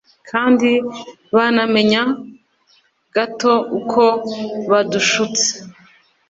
kandi banamenye gatouko badushutse